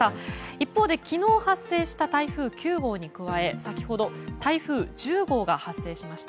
一方で昨日発生した台風９号に加え先ほど台風１０号が発生しました。